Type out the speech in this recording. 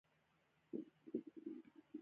د نجونو تعلیم د ناروغیو پوهاوي زیاتولو مرسته کوي.